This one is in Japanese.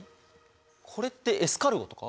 これってエスカルゴとか？